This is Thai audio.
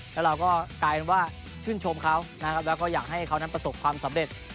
แล้วเราก็กลายเป็นว่าชื่นชมเขานะครับแล้วก็อยากให้เขานั้นประสบความสำเร็จ